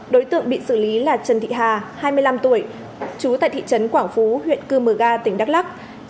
đối tượng bị xử lý là trần thị hà hai mươi năm tuổi trú tại thị trấn quảng phú huyện cư mờ ga tỉnh đắk lắc